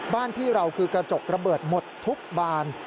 บ้านพี่เราคือกระจกระเบิดหมดทุกบาน